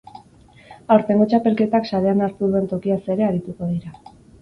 Aurtengo txapelketak sarean hartu duen tokiaz ere arituko dira.